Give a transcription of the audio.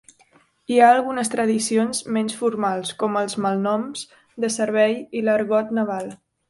Hi ha algunes tradicions menys formals com els malnoms de servei i l'argot naval.